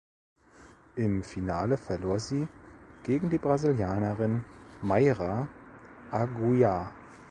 Im Finale verlor sie gegen die Brasilianerin Mayra Aguiar.